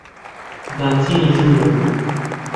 با بچینە ژوورەوە.